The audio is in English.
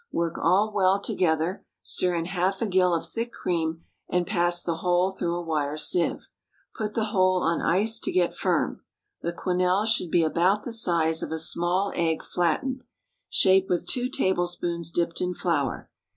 Work all well together, stir in half a gill of thick cream, and pass the whole through a wire sieve. Put the whole on ice to get firm. The quenelles should be about the size of a small egg flattened; shape with two tablespoons dipped in flour.